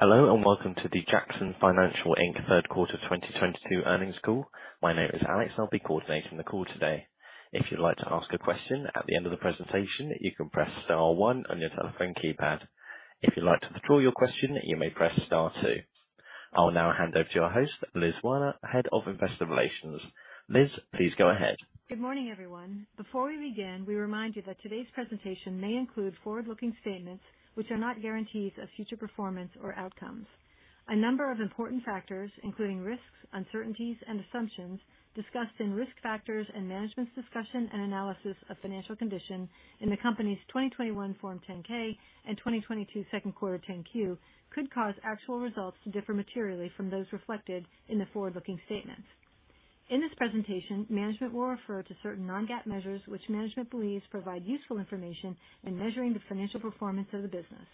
Hello, and welcome to the Jackson Financial Inc. Q3 2022 earnings call. My name is Alex. I'll be coordinating the call today. If you'd like to ask a question at the end of the presentation, you can press star one on your telephone keypad. If you'd like to withdraw your question, you may press star two. I will now hand over to your host, Liz Werner, Head of Investor Relations. Liz, please go ahead. Good morning, everyone. Before we begin, we remind you that today's presentation may include forward-looking statements which are not guarantees of future performance or outcomes. A number of important factors, including risks, uncertainties, and assumptions discussed in risk factors and management's discussion and analysis of financial condition in the company's 2021 Form 10-K and 2022 Q2 10-Q could cause actual results to differ materially from those reflected in the forward-looking statements. In this presentation, management will refer to certain non-GAAP measures, which management believes provide useful information in measuring the financial performance of the business.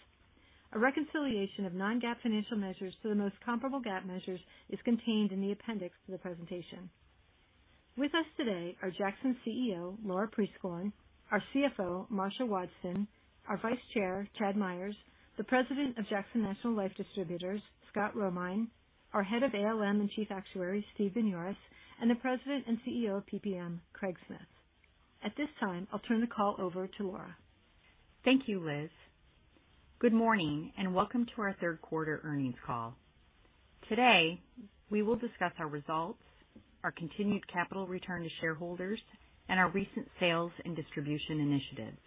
A reconciliation of non-GAAP financial measures to the most comparable GAAP measures is contained in the appendix to the presentation. With us today are Jackson's CEO, Laura Prieskorn, our CFO, Marcia Wadsten, our Vice Chair, Chad Myers, the President of Jackson National Life Distributors, Scott Romine, our Head of ALM and Chief Actuary, Steve Binioris, and the President and CEO of PPM, Craig Smith. At this time, I'll turn the call over to Laura. Thank you, Liz. Good morning and welcome to our Q3 earnings call. Today, we will discuss our results, our continued capital return to shareholders, and our recent sales and distribution initiatives.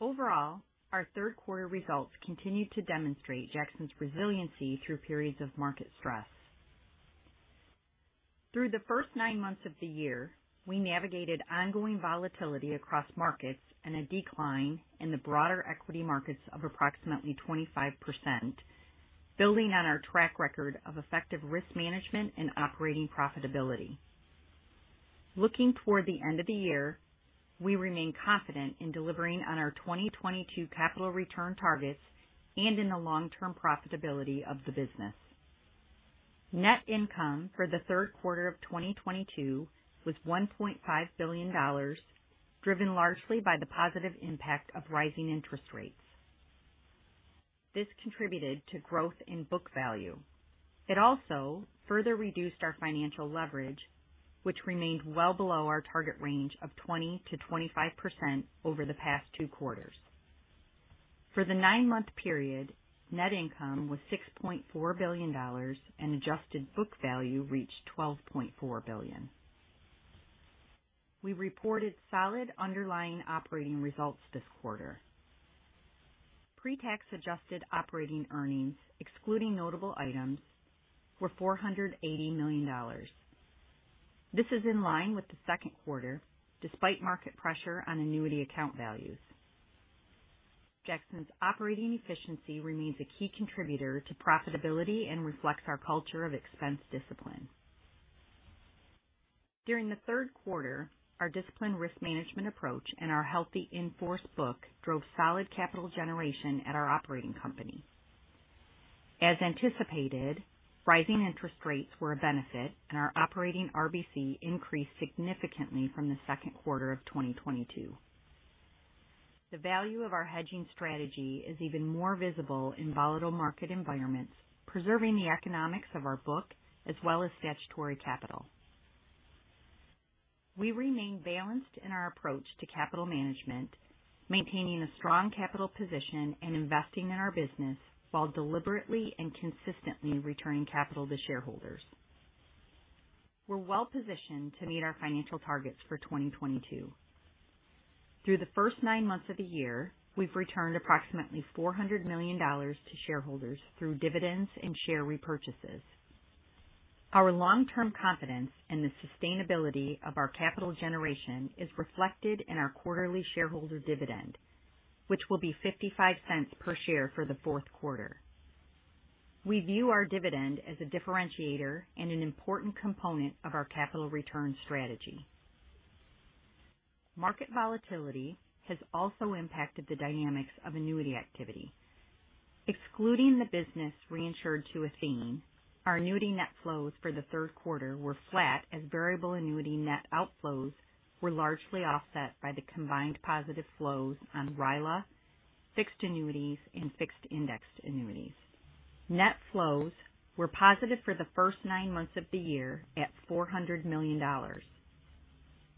Overall, our Q3 results continued to demonstrate Jackson's resiliency through periods of market stress. Through the first nine months of the year, we navigated ongoing volatility across markets and a decline in the broader equity markets of approximately 25%, building on our track record of effective risk management and operating profitability. Looking toward the end of the year, we remain confident in delivering on our 2022 capital return targets and in the long-term profitability of the business. Net income for the Q3 of 2022 was $1.5 billion, driven largely by the positive impact of rising interest rates. This contributed to growth in book value. It also further reduced our financial leverage, which remained well below our target range of 20%-25% over the past 2 quarters. For the 9-month period, net income was $6.4 billion, and adjusted book value reached $12.4 billion. We reported solid underlying operating results this quarter. Pre-tax adjusted operating earnings, excluding notable items, were $480 million. This is in line with the Q2, despite market pressure on annuity account values. Jackson's operating efficiency remains a key contributor to profitability and reflects our culture of expense discipline. During the Q3, our disciplined risk management approach and our healthy in-force book drove solid capital generation at our operating company. As anticipated, rising interest rates were a benefit, and our operating RBC increased significantly from the Q2 of 2022. The value of our hedging strategy is even more visible in volatile market environments, preserving the economics of our book as well as statutory capital. We remain balanced in our approach to capital management, maintaining a strong capital position and investing in our business while deliberately and consistently returning capital to shareholders. We're well-positioned to meet our financial targets for 2022. Through the first nine months of the year, we've returned approximately $400 million to shareholders through dividends and share repurchases. Our long-term confidence in the sustainability of our capital generation is reflected in our quarterly shareholder dividend, which will be $0.55 per share for the Q4. We view our dividend as a differentiator and an important component of our capital return strategy. Market volatility has also impacted the dynamics of annuity activity. Excluding the business reinsured to Athene, our annuity net flows for the Q3 were flat as variable annuity net outflows were largely offset by the combined positive flows on RILA, fixed annuities, and fixed-indexed annuities. Net flows were positive for the first nine months of the year at $400 million.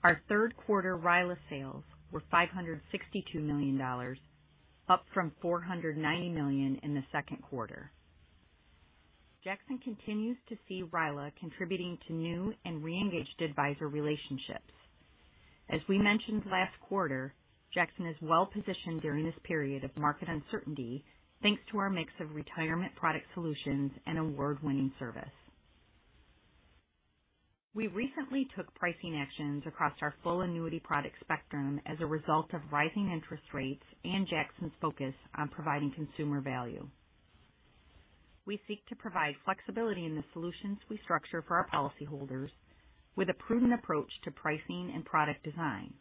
Our Q3 RILA sales were $562 million, up from $490 million in the Q2. Jackson continues to see RILA contributing to new and re-engaged advisor relationships. As we mentioned last quarter, Jackson is well positioned during this period of market uncertainty, thanks to our mix of retirement product solutions and award-winning service. We recently took pricing actions across our full annuity product spectrum as a result of rising interest rates and Jackson's focus on providing consumer value. We seek to provide flexibility in the solutions we structure for our policyholders with a prudent approach to pricing and product design.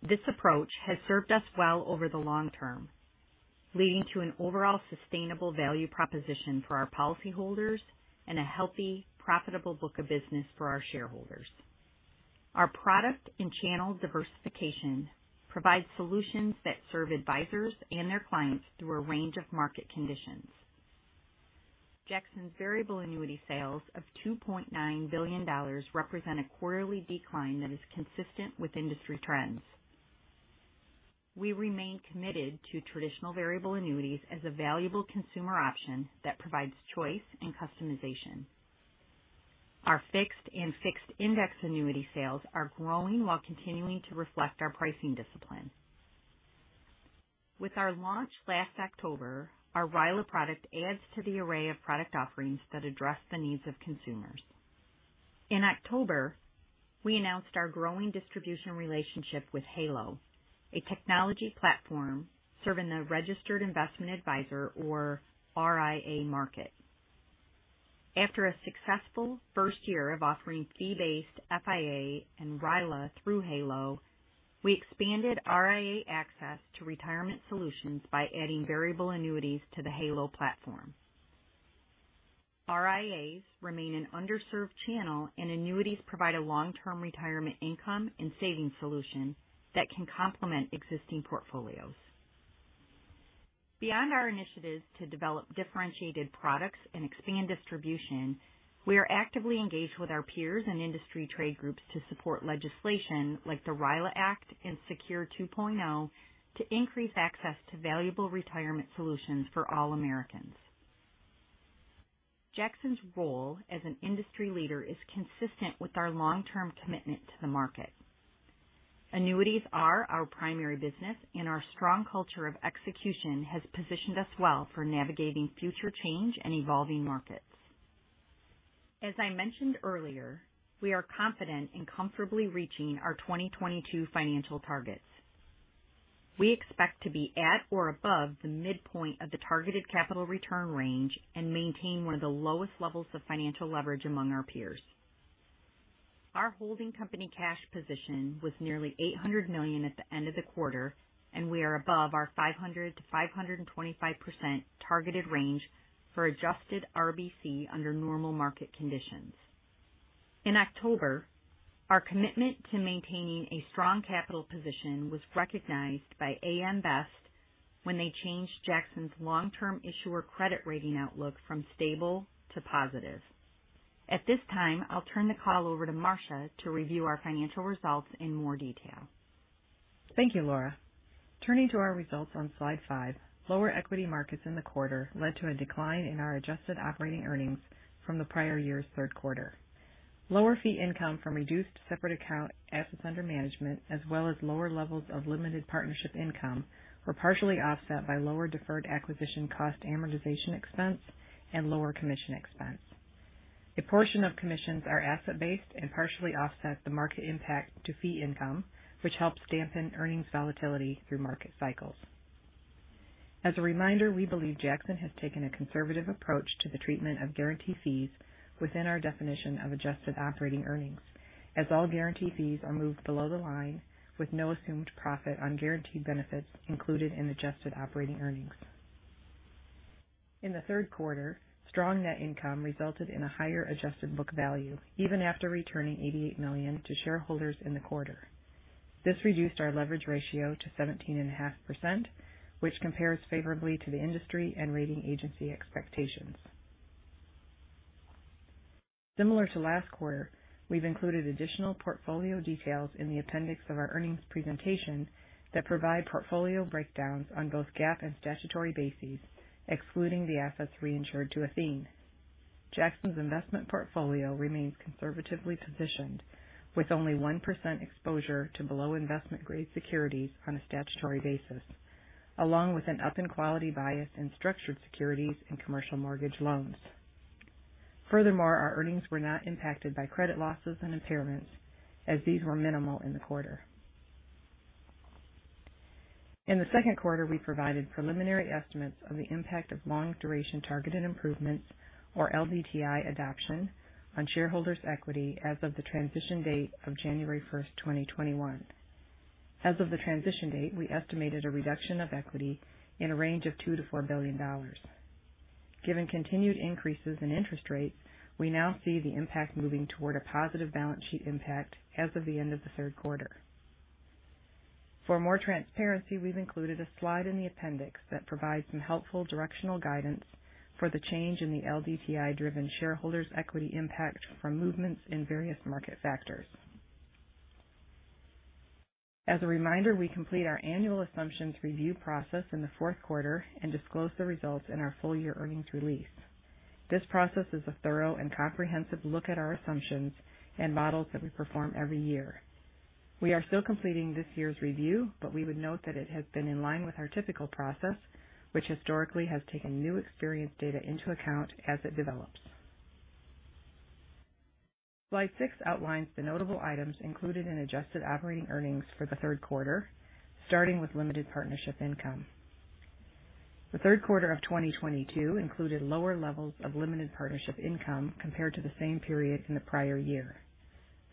This approach has served us well over the long term, leading to an overall sustainable value proposition for our policyholders and a healthy, profitable book of business for our shareholders. Our product and channel diversification provides solutions that serve advisors and their clients through a range of market conditions. Jackson's variable annuity sales of $2.9 billion represent a quarterly decline that is consistent with industry trends. We remain committed to traditional variable annuities as a valuable consumer option that provides choice and customization. Our fixed and fixed-index annuity sales are growing while continuing to reflect our pricing discipline. With our launch last October, our RILA product adds to the array of product offerings that address the needs of consumers. In October, we announced our growing distribution relationship with Halo, a technology platform serving the registered investment advisor, or RIA market. After a successful first year of offering fee-based FIA and RILA through Halo, we expanded RIA access to retirement solutions by adding variable annuities to the Halo platform. RIAs remain an underserved channel, and annuities provide a long-term retirement income and savings solution that can complement existing portfolios. Beyond our initiatives to develop differentiated products and expand distribution, we are actively engaged with our peers and industry trade groups to support legislation like the RILA Act and SECURE 2.0 to increase access to valuable retirement solutions for all Americans. Jackson's role as an industry leader is consistent with our long-term commitment to the market. Annuities are our primary business, and our strong culture of execution has positioned us well for navigating future change and evolving markets. As I mentioned earlier, we are confident in comfortably reaching our 2022 financial targets. We expect to be at or above the midpoint of the targeted capital return range and maintain one of the lowest levels of financial leverage among our peers. Our holding company cash position was nearly $800 million at the end of the quarter, and we are above our 500%-525% targeted range for adjusted RBC under normal market conditions. In October, our commitment to maintaining a strong capital position was recognized by AM Best when they changed Jackson's long-term issuer credit rating outlook from stable to positive. At this time, I'll turn the call over to Marcia to review our financial results in more detail. Thank you, Laura. Turning to our results on Slide 5, lower equity markets in the quarter led to a decline in our adjusted operating earnings from the prior year's Q3. Lower fee income from reduced separate account assets under management, as well as lower levels of limited partnership income, were partially offset by lower deferred acquisition cost amortization expense and lower commission expense. A portion of commissions are asset-based and partially offset the market impact to fee income, which helps dampen earnings volatility through market cycles. As a reminder, we believe Jackson has taken a conservative approach to the treatment of guarantee fees within our definition of adjusted operating earnings, as all guarantee fees are moved below the line with no assumed profit on guaranteed benefits included in adjusted operating earnings. In the Q3, strong net income resulted in a higher adjusted book value even after returning $88 million to shareholders in the quarter. This reduced our leverage ratio to 17.5%, which compares favorably to the industry and rating agency expectations. Similar to last quarter, we've included additional portfolio details in the appendix of our earnings presentation that provide portfolio breakdowns on both GAAP and statutory bases, excluding the assets reinsured to Athene. Jackson's investment portfolio remains conservatively positioned, with only 1% exposure to below investment-grade securities on a statutory basis, along with an up-in-quality bias in structured securities and commercial mortgage loans. Furthermore, our earnings were not impacted by credit losses and impairments, as these were minimal in the quarter. In the Q2, we provided preliminary estimates on the impact of Long-Duration Targeted Improvements, or LDTI adoption on shareholders' equity as of the transition date of January 1, 2021. As of the transition date, we estimated a reduction of equity in a range of $2 billion-$4 billion. Given continued increases in interest rates, we now see the impact moving toward a positive balance sheet impact as of the end of the Q3. For more transparency, we've included a slide in the appendix that provides some helpful directional guidance for the change in the LDTI-driven shareholders' equity impact from movements in various market factors. As a reminder, we complete our annual assumptions review process in the Q4 and disclose the results in our full-year earnings release. This process is a thorough and comprehensive look at our assumptions and models that we perform every year. We are still completing this year's review, but we would note that it has been in line with our typical process, which historically has taken new experience data into account as it develops. Slide 6 outlines the notable items included in adjusted operating earnings for the Q3, starting with limited partnership income. The Q3 of 2022 included lower levels of limited partnership income compared to the same period in the prior year.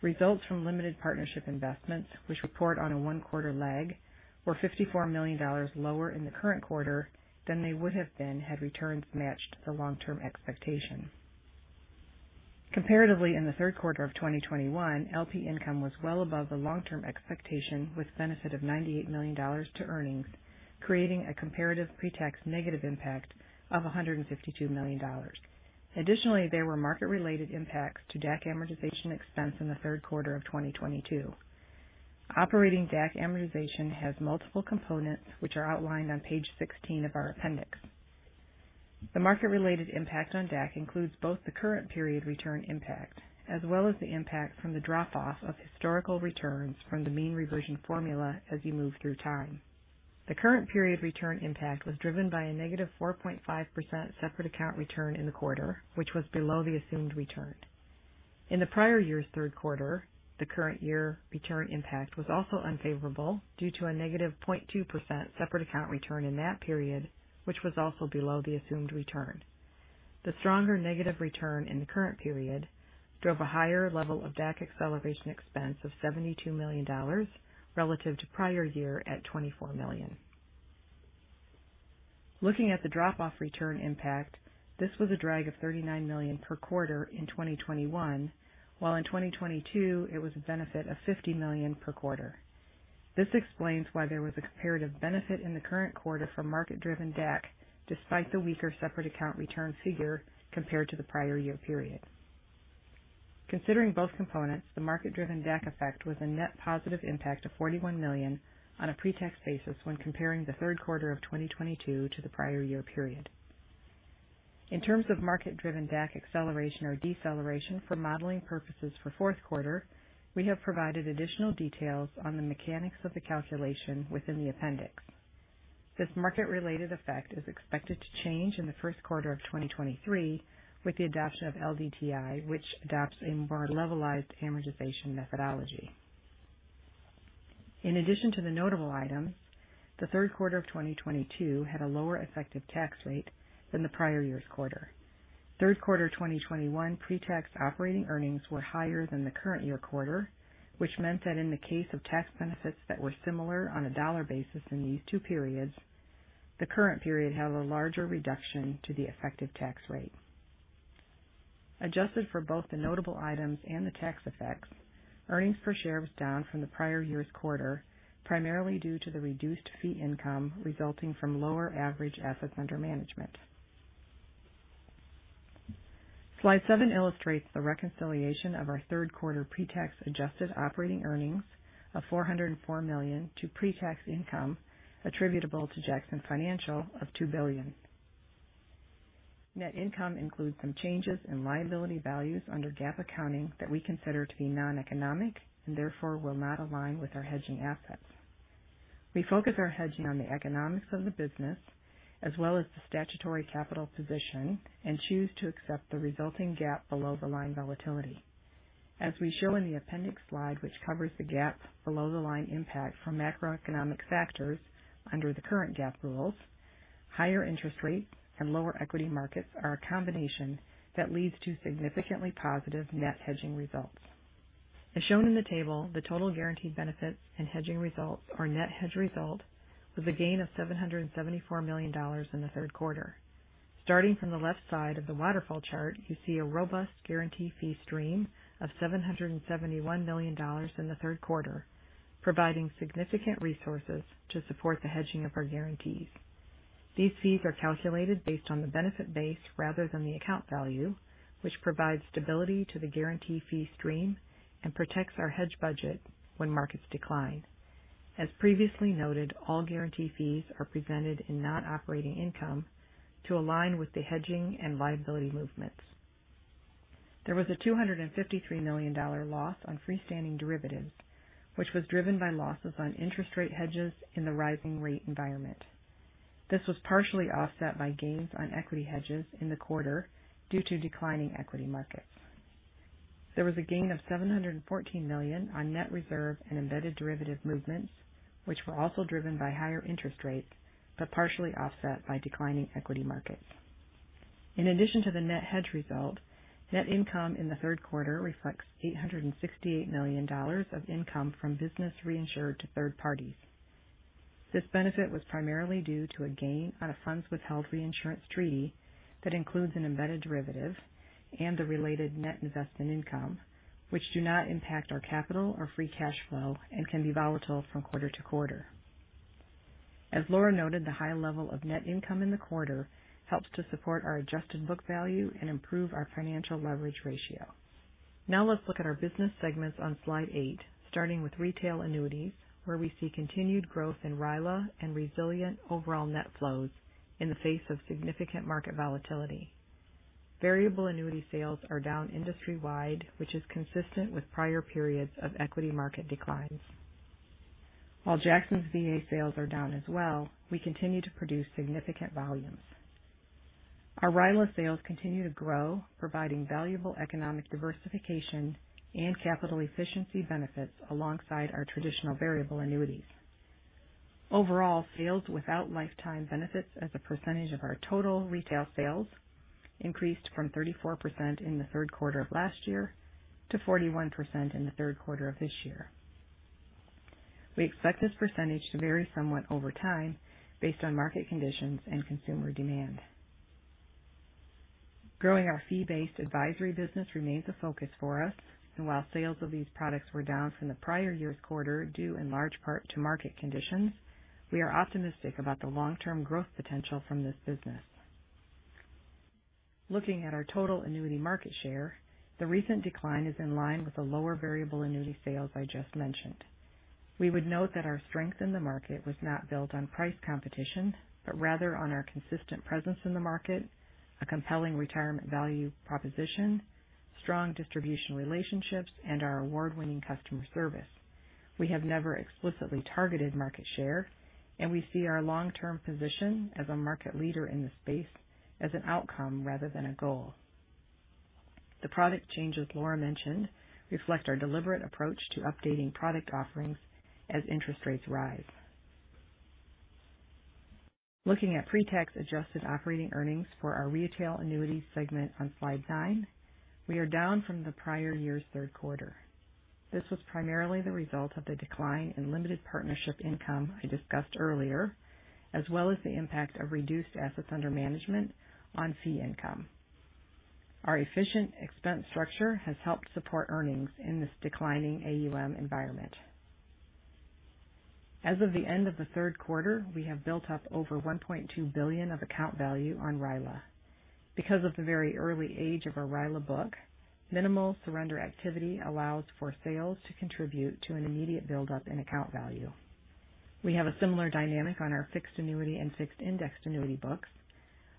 Results from limited partnership investments, which report on a one-quarter lag, were $54 million lower in the current quarter than they would have been had returns matched the long term expectation. Comparatively, in the Q3 of 2021, LP income was well above the long term expectation with benefit of $98 million to earnings, creating a comparative pretax negative impact of $152 million. Additionally, there were market related impacts to DAC amortization expense in the Q3 of 2022. Operating DAC amortization has multiple components which are outlined on page 16 of our appendix. The market related impact on DAC includes both the current period return impact as well as the impact from the drop off of historical returns from the mean reversion formula as you move through time. The current period return impact was driven by a negative 4.5 separate account return in the quarter, which was below the assumed return. In the prior year's Q3, the current year return impact was also unfavorable due to a negative 0.2% separate account return in that period, which was also below the assumed return. The stronger negative return in the current period drove a higher level of DAC acceleration expense of $72 million relative to prior year at $24 million. Looking at the drop off return impact, this was a drag of $39 million per quarter in 2021, while in 2022 it was a benefit of $50 million per quarter. This explains why there was a comparative benefit in the current quarter for market driven DAC despite the weaker separate account return figure compared to the prior year period. Considering both components, the market driven DAC effect was a net positive impact of $41 million on a pretax basis when comparing the Q3 of 2022 to the prior year period. In terms of market driven DAC acceleration or deceleration for modeling purposes for Q4, we have provided additional details on the mechanics of the calculation within the appendix. This market related effect is expected to change in the Q1 of 2023 with the adoption of LDTI, which adopts a more levelized amortization methodology. In addition to the notable items, the Q3 of 2022 had a lower effective tax rate than the prior year's quarter. Q3 2021 pretax operating earnings were higher than the current year quarter, which meant that in the case of tax benefits that were similar on a dollar basis in these two periods, the current period had a larger reduction to the effective tax rate. Adjusted for both the notable items and the tax effects, earnings per share was down from the prior year's quarter, primarily due to the reduced fee income resulting from lower average assets under management. Slide 7 illustrates the reconciliation of our Q3 pretax adjusted operating earnings of $404 million to pretax income attributable to Jackson Financial of $2 billion. Net income includes some changes in liability values under GAAP accounting that we consider to be noneconomic and therefore will not align with our hedging assets. We focus our hedging on the economics of the business as well as the statutory capital position and choose to accept the resulting GAAP below the line volatility. As we show in the appendix slide, which covers the GAAP below the line impact from macroeconomic factors under the current GAAP rules, higher interest rates and lower equity markets are a combination that leads to significantly positive net hedging results. As shown in the table, the total guaranteed benefits and hedging results or net hedge result was a gain of $774 million in the Q3. Starting from the left side of the waterfall chart, you see a robust guarantee fee stream of $771 million in the Q3, providing significant resources to support the hedging of our guarantees. These fees are calculated based on the benefit base rather than the account value, which provides stability to the guarantee fee stream and protects our hedge budget when markets decline. As previously noted, all guarantee fees are presented in non-operating income to align with the hedging and liability movements. There was a $253 million dollar loss on freestanding derivatives, which was driven by losses on interest rate hedges in the rising rate environment. This was partially offset by gains on equity hedges in the quarter due to declining equity markets. There was a gain of $714 million on net reserve and embedded derivative movements, which were also driven by higher interest rates but partially offset by declining equity markets. In addition to the net hedge result, net income in the Q3 reflects $868 million of income from business reinsured to third parties. This benefit was primarily due to a gain on a funds withheld reinsurance treaty that includes an embedded derivative and the related net investment income, which do not impact our capital or free cash flow and can be volatile from quarter to quarter. As Laura noted, the high level of net income in the quarter helps to support our adjusted book value and improve our financial leverage ratio. Now let's look at our business segments on Slide 8, starting with retail annuities where we see continued growth in RILA and resilient overall net flows in the face of significant market volatility. Variable annuity sales are down industry wide, which is consistent with prior periods of equity market declines. While Jackson's VA sales are down as well, we continue to produce significant volumes. Our RILA sales continue to grow, providing valuable economic diversification and capital efficiency benefits alongside our traditional variable annuities. Overall, sales without lifetime benefits as a percentage of our total retail sales increased from 34% in the Q3 of last year to 41% in the Q3 of this year. We expect this percentage to vary somewhat over time based on market conditions and consumer demand. Growing our fee-based advisory business remains a focus for us, and while sales of these products were down from the prior year's quarter, due in large part to market conditions, we are optimistic about the long-term growth potential from this business. Looking at our total annuity market share, the recent decline is in line with the lower variable annuity sales I just mentioned. We would note that our strength in the market was not built on price competition, but rather on our consistent presence in the market, a compelling retirement value proposition, strong distribution relationships, and our award-winning customer service. We have never explicitly targeted market share, and we see our long-term position as a market leader in this space as an outcome rather than a goal. The product changes Laura mentioned reflect our deliberate approach to updating product offerings as interest rates rise. Looking at pre-tax adjusted operating earnings for our retail annuity segment on Slide 9, we are down from the prior year's Q3. This was primarily the result of the decline in limited partnership income I discussed earlier, as well as the impact of reduced assets under management on fee income. Our efficient expense structure has helped support earnings in this declining AUM environment. As of the end of the Q3, we have built up over $1.2 billion of account value on RILA. Because of the very early age of our RILA book, minimal surrender activity allows for sales to contribute to an immediate buildup in account value. We have a similar dynamic on our fixed annuity and fixed-indexed annuity books.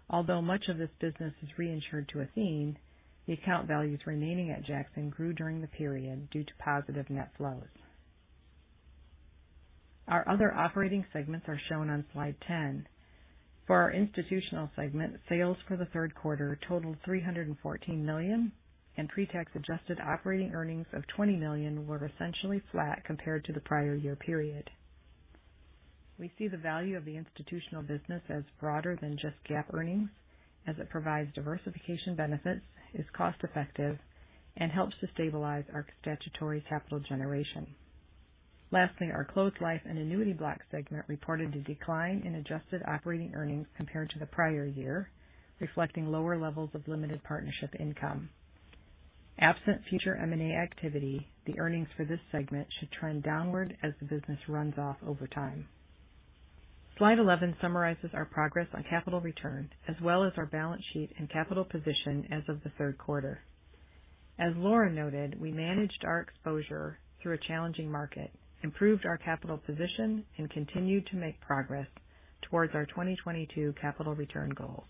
Although much of this business is reinsured to Athene, the account values remaining at Jackson grew during the period due to positive net flows. Our other operating segments are shown on Slide 10. For our institutional segment, sales for the Q3 totaled $314 million, and pre-tax adjusted operating earnings of $20 million were essentially flat compared to the prior year period. We see the value of the institutional business as broader than just GAAP earnings, as it provides diversification benefits, is cost-effective, and helps to stabilize our statutory capital generation. Lastly, our closed life and annuity block segment reported a decline in adjusted operating earnings compared to the prior year, reflecting lower levels of limited partnership income. Absent future M&A activity, the earnings for this segment should trend downward as the business runs off over time. Slide 11 summarizes our progress on capital returns as well as our balance sheet and capital position as of the Q3. As Laura noted, we managed our exposure through a challenging market, improved our capital position, and continued to make progress toward our 2022 capital return goals.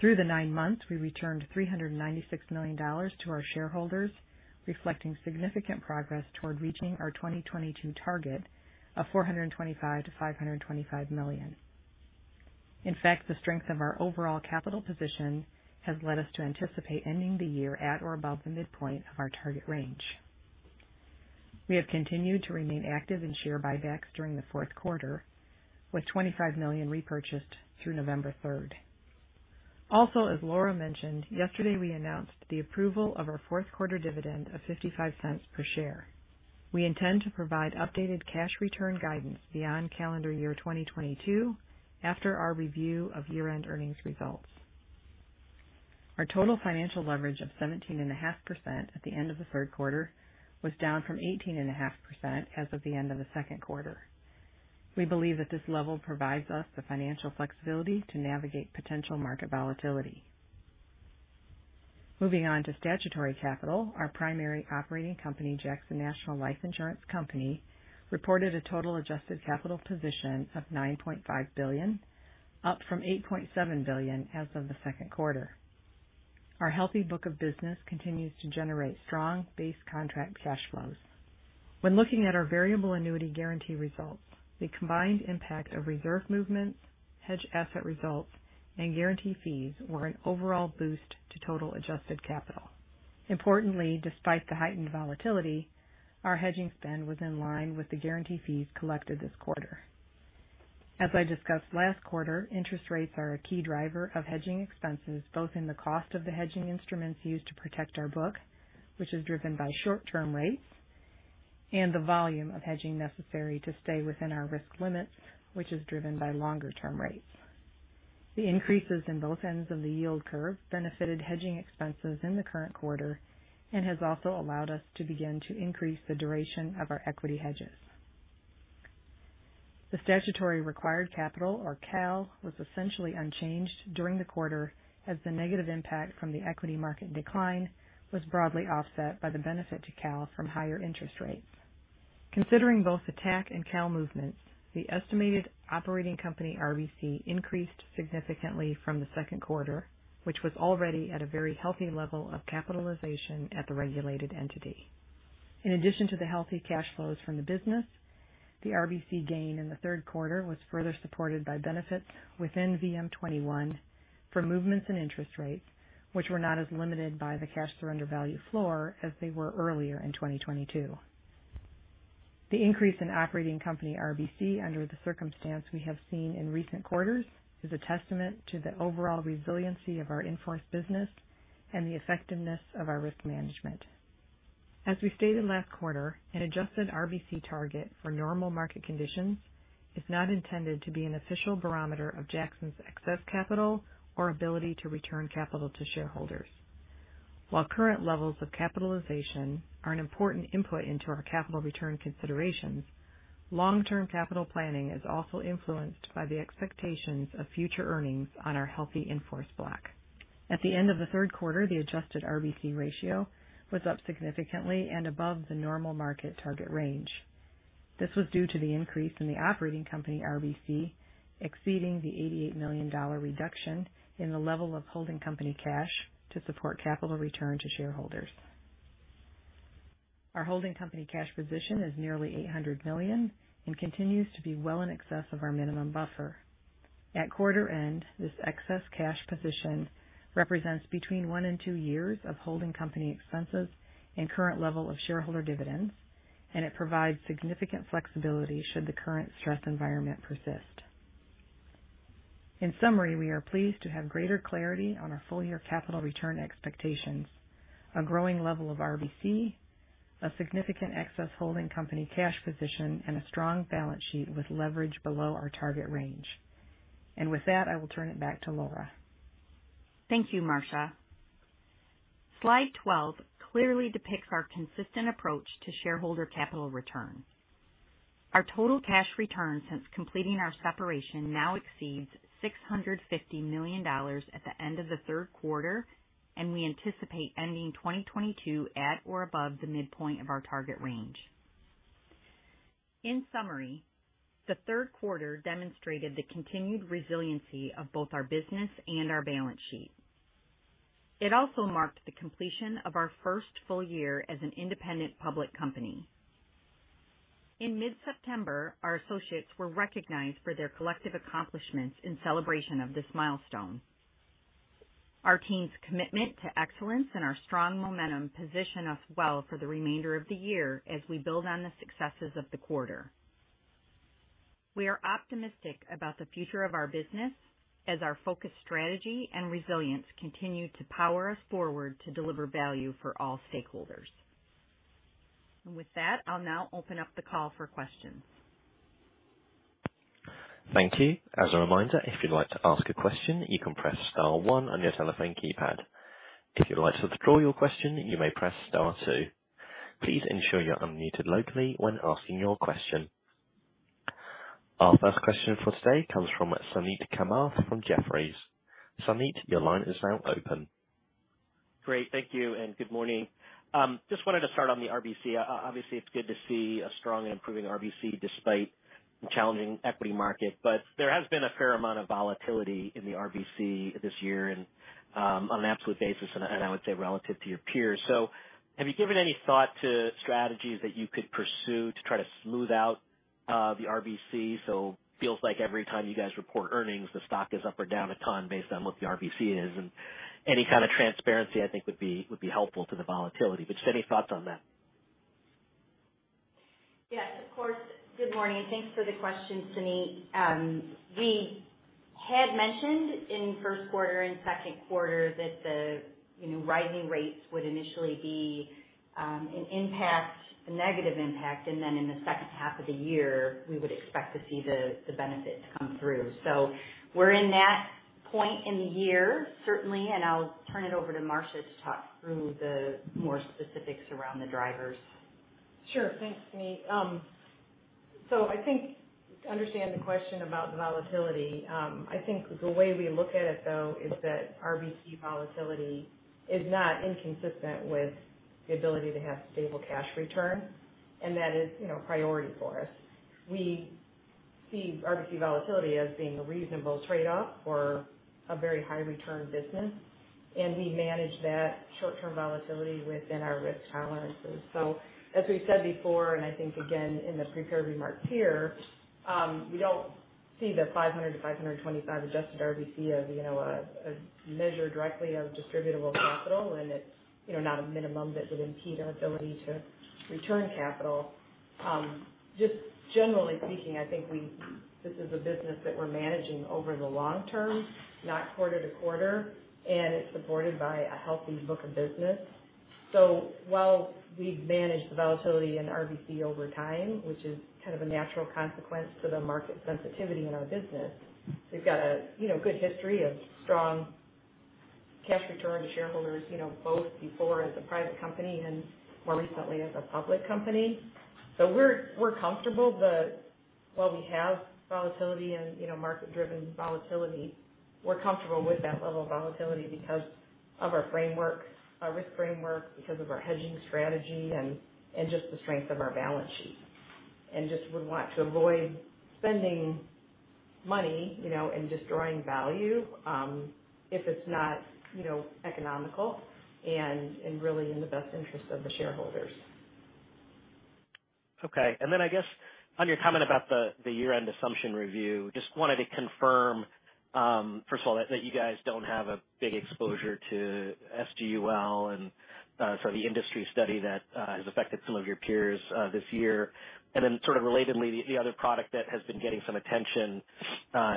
Through the nine months, we returned $396 million to our shareholders, reflecting significant progress toward reaching our 2022 target of $425 million-$525 million. In fact, the strength of our overall capital position has led us to anticipate ending the year at or above the midpoint of our target range. We have continued to remain active in share buybacks during the Q4, with 25 million repurchased through November 3. Also, as Laura mentioned, yesterday, we announced the approval of our Q4 dividend of $0.55 per share. We intend to provide updated cash return guidance beyond calendar year 2022 after our review of year-end earnings results. Our total financial leverage of 17.5% at the end of the Q3 was down from 18.5% as of the end of the Q2. We believe that this level provides us the financial flexibility to navigate potential market volatility. Moving on to statutory capital, our primary operating company, Jackson National Life Insurance Company, reported a total adjusted capital position of $9.5 billion, up from $8.7 billion as of the Q2. Our healthy book of business continues to generate strong base contract cash flows. When looking at our variable annuity guarantee results, the combined impact of reserve movements, hedge asset results, and guarantee fees were an overall boost to total adjusted capital. Importantly, despite the heightened volatility, our hedging spend was in line with the guarantee fees collected this quarter. As I discussed last quarter, interest rates are a key driver of hedging expenses, both in the cost of the hedging instruments used to protect our book, which is driven by short-term rates, and the volume of hedging necessary to stay within our risk limits, which is driven by longer-term rates. The increases in both ends of the yield curve benefited hedging expenses in the current quarter and has also allowed us to begin to increase the duration of our equity hedges. The statutory required capital or CAL was essentially unchanged during the quarter as the negative impact from the equity market decline was broadly offset by the benefit to CAL from higher interest rates. Considering both the TAC and CAL movements, the estimated operating company RBC increased significantly from the Q2, which was already at a very healthy level of capitalization at the regulated entity. In addition to the healthy cash flows from the business, the RBC gain in the Q3 was further supported by benefits within VM-21 for movements in interest rates, which were not as limited by the cash surrender value floor as they were earlier in 2022. The increase in operating company RBC under the circumstances we have seen in recent quarters is a testament to the overall resiliency of our in-force business. The effectiveness of our risk management. As we stated last quarter, an adjusted RBC target for normal market conditions is not intended to be an official barometer of Jackson's excess capital or ability to return capital to shareholders. While current levels of capitalization are an important input into our capital return considerations, long-term capital planning is also influenced by the expectations of future earnings on our healthy in-force block. At the end of the Q3, the adjusted RBC ratio was up significantly and above the normal market target range. This was due to the increase in the operating company RBC exceeding the $88 million reduction in the level of holding company cash to support capital return to shareholders. Our holding company cash position is nearly $800 million and continues to be well in excess of our minimum buffer. At quarter end, this excess cash position represents between one and two years of holding company expenses and current level of shareholder dividends, and it provides significant flexibility should the current stress environment persist. In summary, we are pleased to have greater clarity on our full-year capital return expectations, a growing level of RBC, a significant excess holding company cash position, and a strong balance sheet with leverage below our target range. With that, I will turn it back to Laura. Thank you, Marcia. Slide 12 clearly depicts our consistent approach to shareholder capital return. Our total cash return since completing our separation now exceeds $650 million at the end of the Q3, and we anticipate ending 2022 at or above the midpoint of our target range. In summary, the Q3 demonstrated the continued resiliency of both our business and our balance sheet. It also marked the completion of our first full year as an independent public company. In mid-September, our associates were recognized for their collective accomplishments in celebration of this milestone. Our team's commitment to excellence and our strong momentum position us well for the remainder of the year as we build on the successes of the quarter. We are optimistic about the future of our business as our focused strategy and resilience continue to power us forward to deliver value for all stakeholders. With that, I'll now open up the call for questions. Thank you. As a reminder, if you'd like to ask a question, you can press star one on your telephone keypad. If you'd like to withdraw your question, you may press star two. Please ensure you're unmuted locally when asking your question. Our first question for today comes from Suneet Kamath from Jefferies. Suneet, your line is now open. Great. Thank you, and good morning. Just wanted to start on the RBC. Obviously, it's good to see a strong and improving RBC despite the challenging equity market. There has been a fair amount of volatility in the RBC this year and, on an absolute basis and I would say relative to your peers. Have you given any thought to strategies that you could pursue to try to smooth out the RBC? Feels like every time you guys report earnings, the stock is up or down a ton based on what the RBC is. Any kind of transparency, I think, would be helpful to the volatility. Just any thoughts on that? Yes, of course. Good morning, and thanks for the question, Suneet. We had mentioned in Q1 and Q2 that the, you know, rising rates would initially be, an impact, a negative impact, and then in the second half of the year, we would expect to see the benefit come through. We're in that point in the year, certainly, and I'll turn it over to Marcia to talk through the more specifics around the drivers. Sure. Thanks, Suneet. I think to understand the question about the volatility, I think the way we look at it, though, is that RBC volatility is not inconsistent with the ability to have stable cash return, and that is, you know, priority for us. We see RBC volatility as being a reasonable trade-off for a very high return business, and we manage that short-term volatility within our risk tolerances. As we said before, and I think again in the prepared remarks here, we don't see the 500-525 adjusted RBC as, you know, a measure directly of distributable capital, and it's, you know, not a minimum that would impede our ability to return capital. Just generally speaking, I think this is a business that we're managing over the long term, not quarter to quarter, and it's supported by a healthy book of business. While we manage the volatility in RBC over time, which is kind of a natural consequence to the market sensitivity in our business, we've got a you know good history of strong cash return to shareholders, you know, both before as a private company and more recently as a public company. We're comfortable while we have volatility and you know market-driven volatility, we're comfortable with that level of volatility because of our framework, our risk framework, because of our hedging strategy and just the strength of our balance sheet. Just we want to avoid spending money, you know, and destroying value, if it's not, you know, economical and really in the best interest of the shareholders. Okay, I guess on your comment about the year-end assumption review, just wanted to confirm, first of all, that you guys don't have a big exposure to SGUL, sorry, the industry study that has affected some of your peers this year. Sort of relatedly, the other product that has been getting some attention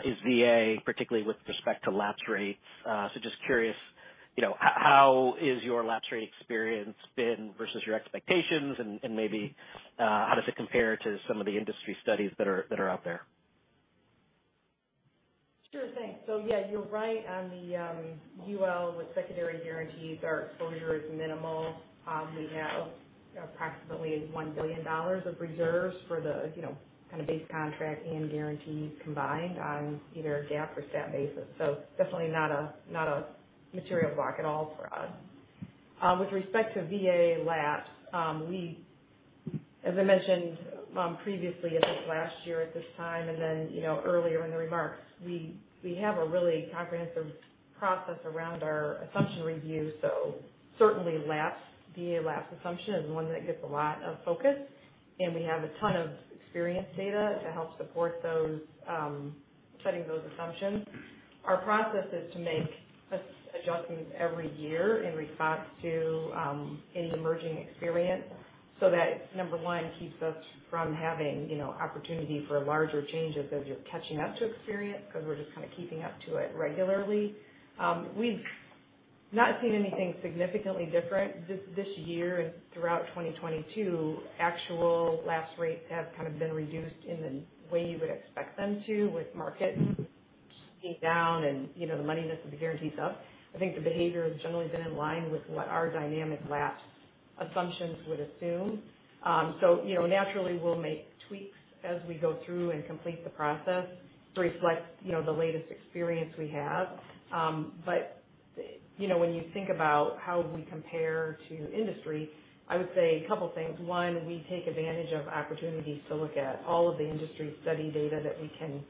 is VA, particularly with respect to lapse rates. Just curious. You know, how is your lapse rate experience been versus your expectations? And maybe, how does it compare to some of the industry studies that are out there? Sure thing. Yeah, you're right on the UL with secondary guarantees, our exposure is minimal. We have approximately $1 billion of reserves for the, you know, kind of base contract and guarantees combined on either a GAAP or STAT basis. Definitely not a material block at all for us. With respect to VA lapse, we, as I mentioned, previously, I think last year at this time, and then, you know, earlier in the remarks, we have a really comprehensive process around our assumption review. Certainly lapse, VA lapse assumption is one that gets a lot of focus, and we have a ton of experience data to help support those, setting those assumptions. Our process is to make adjustments every year in response to any emerging experience, so that number one keeps us from having, you know, opportunity for larger changes as you're catching up to experience because we're just kind of keeping up to it regularly. We've not seen anything significantly different this year and throughout 2022. Actual lapse rates have kind of been reduced in the way you would expect them to with market being down and, you know, the moneyness of the guarantees up. I think the behavior has generally been in line with what our dynamic lapse assumptions would assume. So, you know, naturally, we'll make tweaks as we go through and complete the process to reflect, you know, the latest experience we have. But, you know, when you think about how we compare to industry, I would say a couple things. One, we take advantage of opportunities to look at all of the industry study data that we can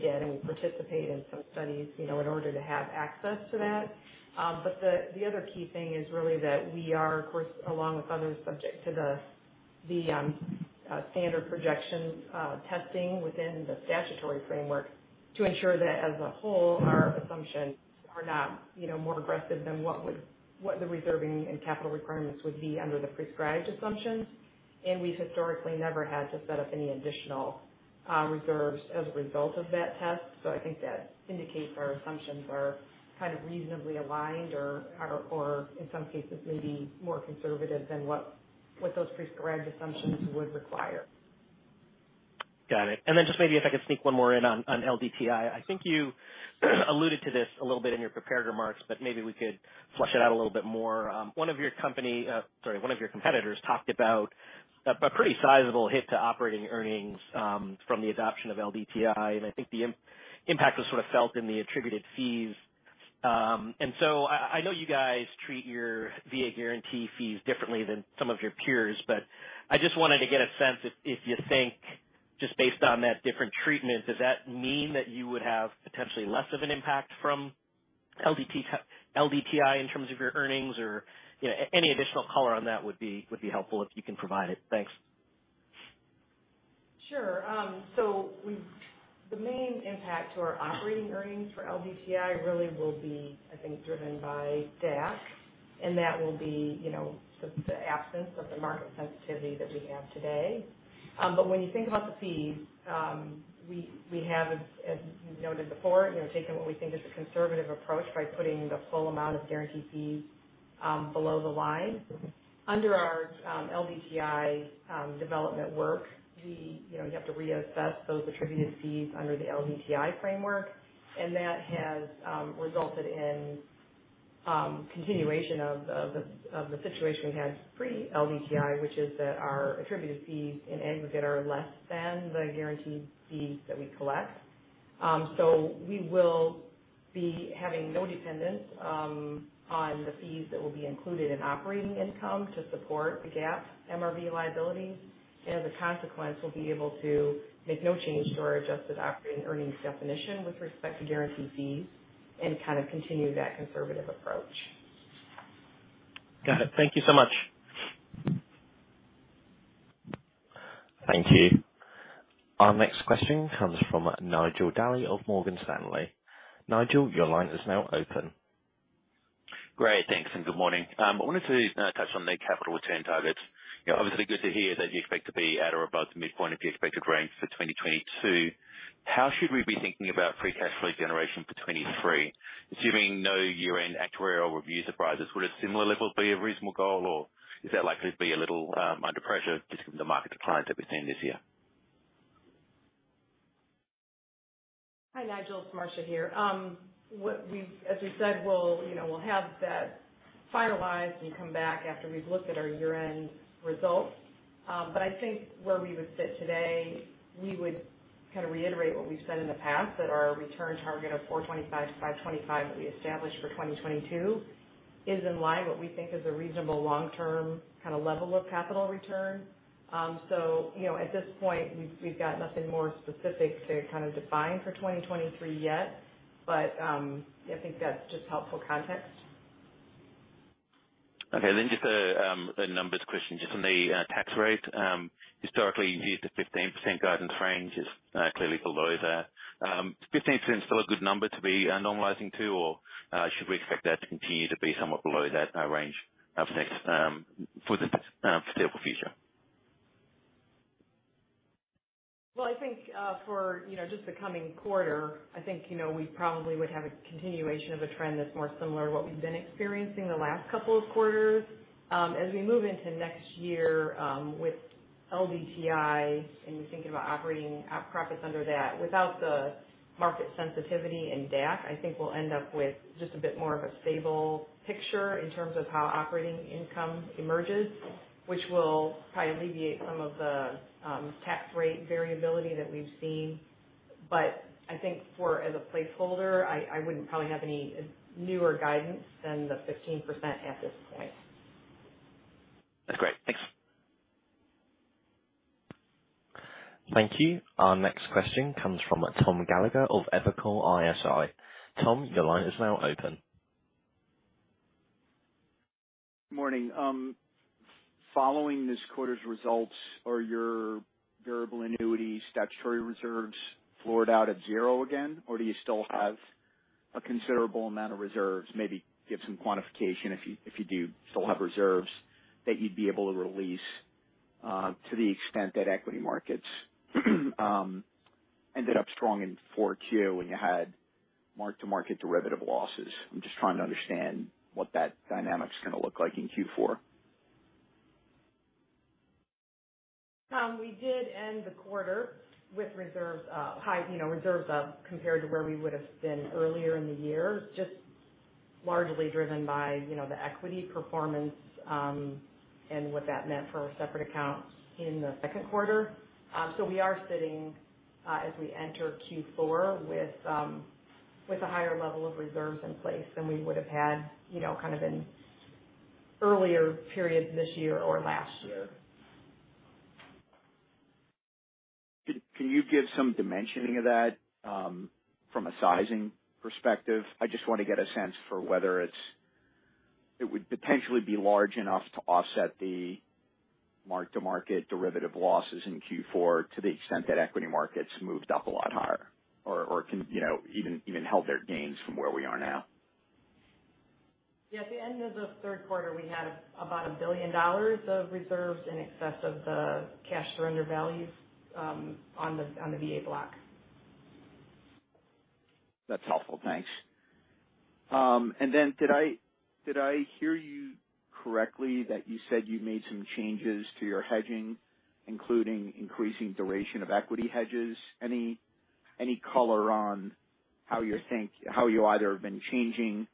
get, and we participate in some studies, you know, in order to have access to that. But the other key thing is really that we are, of course, along with others, subject to the standard projections testing within the statutory framework to ensure that as a whole, our assumptions are not, you know, more aggressive than what the reserving and capital requirements would be under the prescribed assumptions. We've historically never had to set up any additional reserves as a result of that test. I think that indicates our assumptions are kind of reasonably aligned or in some cases may be more conservative than what those prescribed assumptions would require. Got it. Just maybe if I could sneak one more in on LDTI. I think you alluded to this a little bit in your prepared remarks, but maybe we could flesh it out a little bit more. One of your competitors talked about a pretty sizable hit to operating earnings from the adoption of LDTI, and I think the impact was sort of felt in the attributed fees. I know you guys treat your VA guarantee fees differently than some of your peers, but I just wanted to get a sense if you think, just based on that different treatment, does that mean that you would have potentially less of an impact from LDTI in terms of your earnings? You know, any additional color on that would be helpful if you can provide it. Thanks. Sure. So we've the main impact to our operating earnings for LDTI really will be, I think, driven by DAC, and that will be, you know, the absence of the market sensitivity that we have today. But when you think about the fees, we have, as you noted before, you know, taken what we think is a conservative approach by putting the full amount of guarantee fees below the line. Under our LDTI development work, you know, you have to reassess those attributed fees under the LDTI framework, and that has resulted in continuation of the situation we had pre-LDTI, which is that our attributed fees in aggregate are less than the guaranteed fees that we collect. We will be having no dependence on the fees that will be included in operating income to support the GAAP MRB liabilities. As a consequence, we'll be able to make no change to our adjusted operating earnings definition with respect to guaranteed fees and kind of continue that conservative approach. Got it. Thank you so much. Thank you. Our next question comes from Nigel Dally of Morgan Stanley. Nigel, your line is now open. Great. Thanks, and good morning. I wanted to touch on the capital return targets. You know, obviously good to hear that you expect to be at or above the midpoint of your expected range for 2022. How should we be thinking about free cash flow generation for 2023? Assuming no year-end actuarial review surprises, would a similar level be a reasonable goal, or is that likely to be a little under pressure just given the market declines that we've seen this year? Hi, Nigel, it's Marcia here. As we said, we'll, you know, we'll have that finalized and come back after we've looked at our year-end results. I think where we would sit today, we would kind of reiterate what we've said in the past, that our return target of 425-525 that we established for 2022 is in line with what we think is a reasonable long-term kind of level of capital return. You know, at this point, we've got nothing more specific to kind of define for 2023 yet. I think that's just helpful context. Okay. Just a numbers question. Just on the tax rate, historically you've given the 15% guidance range. It's clearly below that. Is 15% still a good number to be normalizing to, or should we expect that to continue to be somewhat below that range for the foreseeable future? Well, I think for you know just the coming quarter, I think you know we probably would have a continuation of a trend that's more similar to what we've been experiencing the last couple of quarters. As we move into next year with LDTI and we're thinking about operating profits under that, without the market sensitivity in DAC, I think we'll end up with just a bit more of a stable picture in terms of how operating income emerges, which will probably alleviate some of the tax rate variability that we've seen. I think for as a placeholder, I wouldn't probably have any newer guidance than the 15% at this point. That's great. Thanks. Thank you. Our next question comes from Tom Gallagher of Evercore ISI. Tom, your line is now open. Morning. Following this quarter's results, are your variable annuity statutory reserves floored out at zero again, or do you still have a considerable amount of reserves? Maybe give some quantification if you do still have reserves that you'd be able to release, to the extent that equity markets ended up strong in Q2 when you had mark-to-market derivative losses. I'm just trying to understand what that dynamic's gonna look like in Q4. We did end the quarter with reserves high, you know, reserves up compared to where we would've been earlier in the year, just largely driven by, you know, the equity performance, and what that meant for our separate accounts in the Q2. We are sitting as we enter Q4 with a higher level of reserves in place than we would've had, you know, kind of in earlier periods this year or last year. Can you give some dimensioning of that from a sizing perspective? I just wanna get a sense for whether it would potentially be large enough to offset the mark-to-market derivative losses in Q4 to the extent that equity markets moved up a lot higher or can you know even held their gains from where we are now. Yeah, at the end of the Q3, we had about $1 billion of reserves in excess of the cash surrender values on the VA block. That's helpful. Thanks. Did I hear you correctly that you said you made some changes to your hedging, including increasing duration of equity hedges? Any color on how you either have been changing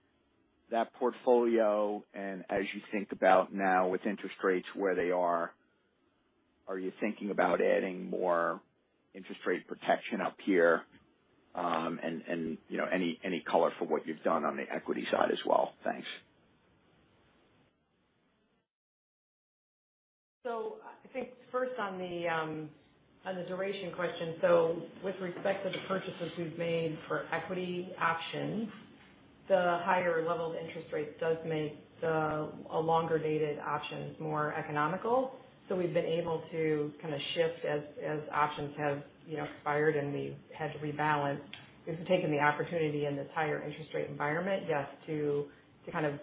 that portfolio and as you think about now with interest rates where they are you thinking about adding more interest rate protection up here? And you know, any color for what you've done on the equity side as well? Thanks. I think first on the duration question, with respect to the purchases we've made for equity options, the higher level of interest rates does make a longer dated options more economical. We've been able to kind of shift as options have, you know, expired and we've had to rebalance. We've taken the opportunity in this higher interest rate environment, yes, to kind of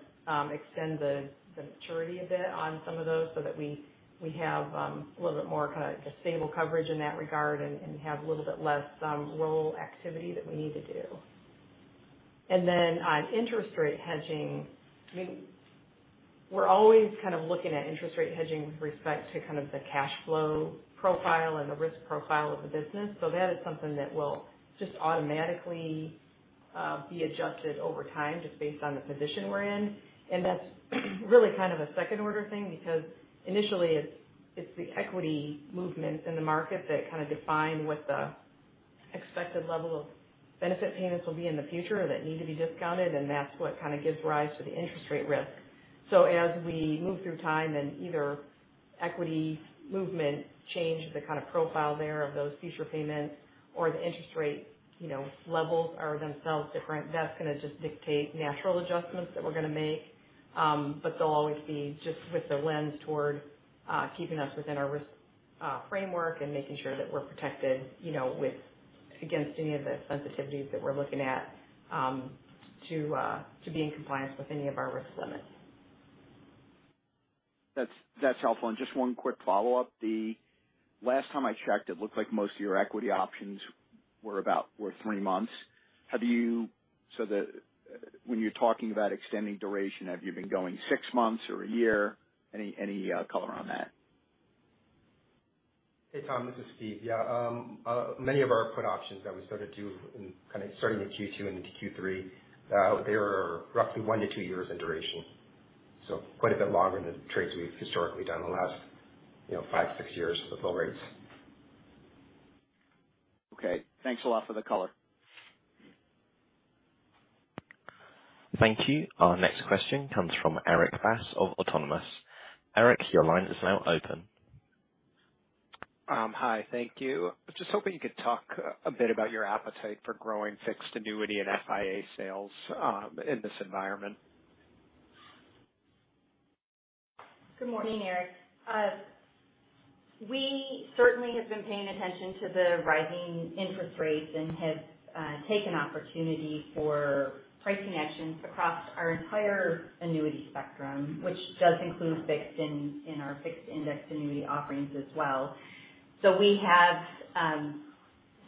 extend the maturity a bit on some of those so that we have a little bit more kind of just stable coverage in that regard and have a little bit less roll activity that we need to do. On interest rate hedging, I mean, we're always kind of looking at interest rate hedging with respect to kind of the cash flow profile and the risk profile of the business. That is something that will just automatically be adjusted over time just based on the position we're in. That's really kind of a second order thing because initially it's the equity movements in the market that kind of define what the expected level of benefit payments will be in the future that need to be discounted. That's what kind of gives rise to the interest rate risk. As we move through time and either equity movement change the kind of profile there of those future payments or the interest rate, you know, levels are themselves different, that's gonna just dictate natural adjustments that we're gonna make. They'll always be just with the lens toward keeping us within our risk framework and making sure that we're protected, you know, with against any of the sensitivities that we're looking at to be in compliance with any of our risk limits. That's helpful. Just one quick follow-up. The last time I checked, it looked like most of your equity options were about three months. So when you're talking about extending duration, have you been going six months or a year? Any color on that? Hey, Tom, this is Steve. Yeah. Many of our put options that we started to in kind of starting in Q2 and into Q3, they were roughly 1-2 years in duration. Quite a bit longer than trades we've historically done in the last, you know, five, six years with low rates. Okay. Thanks a lot for the color. Thank you. Our next question comes from Erik Bass of Autonomous Research. Erik, your line is now open. Hi. Thank you. I was just hoping you could talk a bit about your appetite for growing fixed annuity and FIA sales, in this environment. Good morning, Erik. We certainly have been paying attention to the rising interest rates and have taken opportunity for pricing actions across our entire annuity spectrum, which does include fixed in our Fixed Index Annuity offerings as well. We have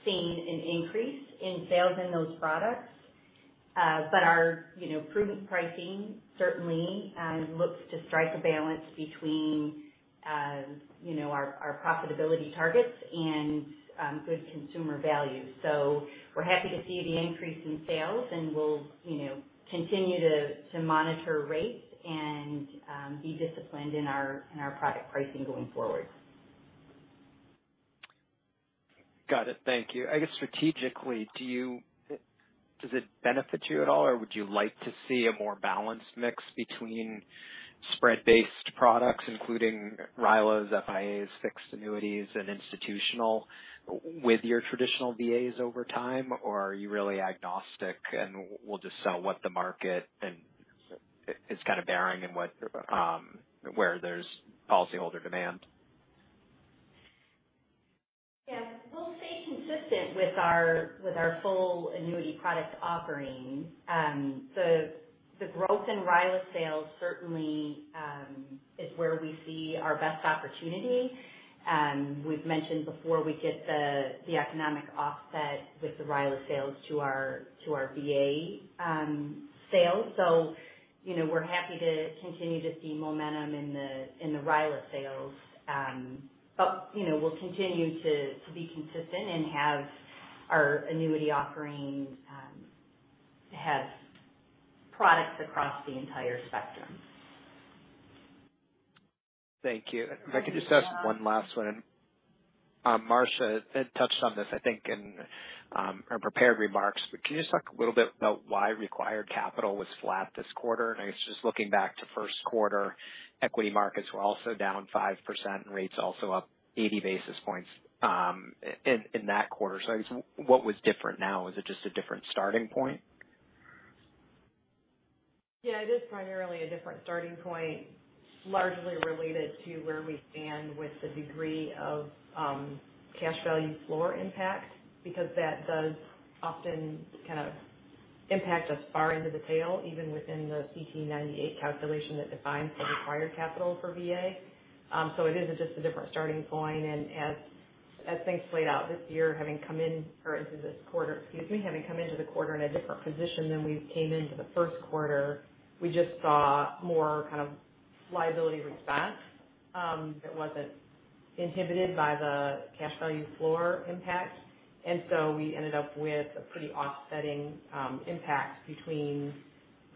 seen an increase in sales in those products. Our, you know, prudent pricing certainly looks to strike a balance between, you know, our profitability targets and good consumer value. We're happy to see the increase in sales, and we'll, you know, continue to monitor rates and be disciplined in our product pricing going forward. Got it. Thank you. I guess strategically, does it benefit you at all or would you like to see a more balanced mix between spread-based products, including RILAs, FIAs, fixed annuities and institutional with your traditional VAs over time? Or are you really agnostic, and we'll just sell what the market and it's kind of bearing in what, where there's policyholder demand? Yeah. We'll stay consistent with our full annuity product offerings. The growth in RILA sales certainly is where we see our best opportunity. We've mentioned before we get the economic offset with the RILA sales to our VA sales. You know, we're happy to continue to see momentum in the RILA sales. You know, we'll continue to be consistent and have our annuity offerings have products across the entire spectrum. Thank you. Thank you. If I could just ask one last one. Marcia had touched on this, I think in her prepared remarks. Can you just talk a little bit about why required capital was flat this quarter? I guess just looking back to Q1, equity markets were also down 5% and rates also up 80 basis points, in that quarter. I guess what was different now? Is it just a different starting point? Yeah, it is primarily a different starting point, largely related to where we stand with the degree of cash value floor impact. Because that does often kind of impact us far into the tail, even within the CTE 98 calculation that defines the required capital for VA. It is just a different starting point. As things played out this year, having come into the quarter in a different position than we came into the Q1, we just saw more kind of liability response that wasn't inhibited by the cash value floor impact. We ended up with a pretty offsetting impact between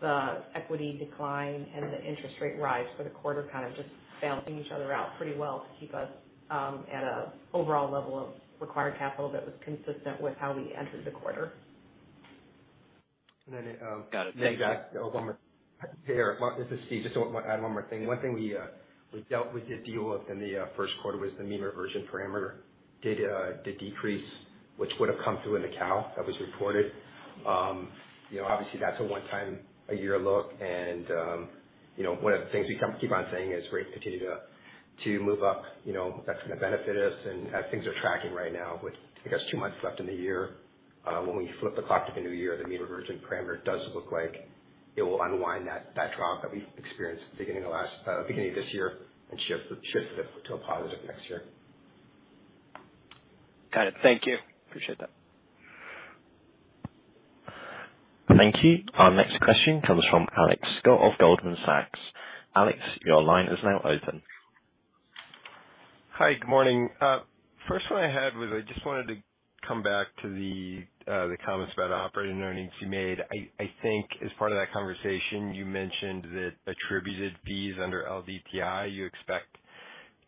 the equity decline and the interest rate rise for the quarter, kind of just balancing each other out pretty well to keep us at a overall level of required capital that was consistent with how we entered the quarter. Got it. Thank you. One more there. This is Steve. Just want to add one more thing. One thing we dealt with in the Q1 was the mean reversion parameter did decrease, which would have come through in the CAL that was reported. You know, obviously that's a one time a year look. You know, one of the things we keep on saying is rates continue to move up. You know, that's gonna benefit us. As things are tracking right now with, I guess, two months left in the year, when we flip the clock to the new year, the mean reversion parameter does look like it will unwind that drop that we experienced beginning of this year and shift it to a positive next year. Got it. Thank you. Appreciate that. Thank you. Our next question comes from Alex Scott of Goldman Sachs. Alex, your line is now open. Hi. Good morning. First one I had was I just wanted to come back to the comments about operating earnings you made. I think as part of that conversation, you mentioned that attributed fees under LDTI you expect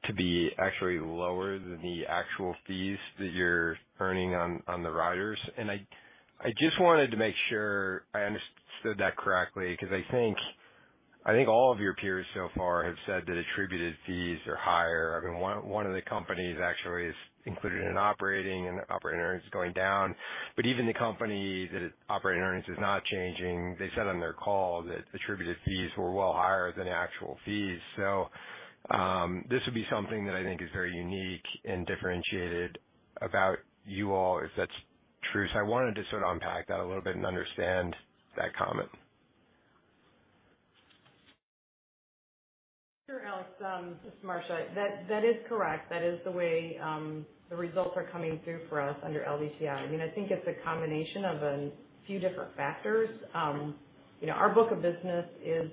to be actually lower than the actual fees that you're earning on the riders. I just wanted to make sure I understood that correctly, because I think all of your peers so far have said that attributed fees are higher. I mean, one of the companies actually included in operating earnings going down, but even the company that operating earnings is not changing, they said on their call that attributed fees were well higher than the actual fees. This would be something that I think is very unique and differentiated about you all, if that's true. I wanted to sort of unpack that a little bit and understand that comment. Sure, Alex, this is Marcia. That is correct. That is the way the results are coming through for us under LDTI. I mean, I think it's a combination of a few different factors. You know, our book of business is,